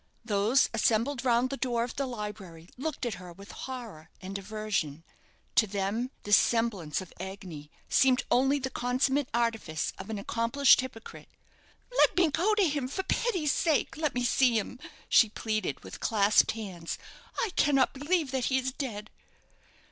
Those assembled round the door of the library looked at her with horror and aversion. To them this semblance of agony seemed only the consummate artifice of an accomplished hypocrite. "Let me go to him! For pity's sake, let me see him!" she pleaded, with clasped hands. "I cannot believe that he is dead."